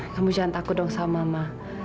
kamu jangan takut dong sama mama